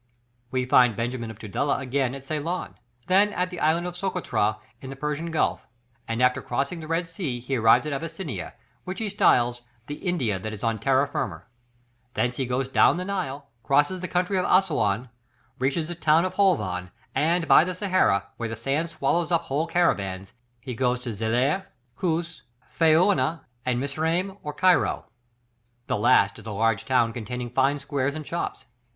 We find Benjamin of Tudela again at Ceylon, then at the Island of Socotra in the Persian Gulf, and after crossing the Red Sea he arrives in Abyssinia, which he styles "the India that is on terra firma." Thence he goes down the Nile, crosses the country of Assouan, reaches the town of Holvan, and by the Sahara, where the sand swallows up whole caravans, he goes to Zairlah, Kous, Faiouna and Misraim or Cairo. This last is a large town containing fine squares and shops.